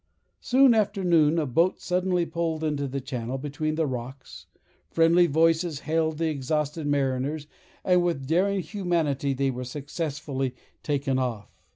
Soon after noon a boat suddenly pulled into the channel between the rocks, friendly voices hailed the exhausted mariners, and with daring humanity they were successfully taken off.